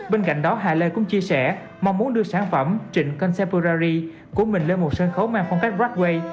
bên cạnh đó hải lê cũng chia sẻ mong muốn đưa sản phẩm trịnh contemporary của mình lên một sân khấu mang phong cách broadway